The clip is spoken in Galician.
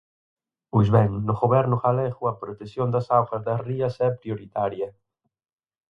Pois ben, no Goberno galego a protección das augas das rías é prioritaria.